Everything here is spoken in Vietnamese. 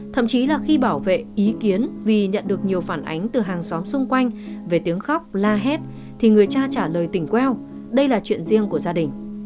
thậm chí là khi bảo vệ ý kiến vì nhận được nhiều phản ánh từ hàng xóm xung quanh về tiếng khóc la hét thì người cha trả lời tỉnh queo đây là chuyện riêng của gia đình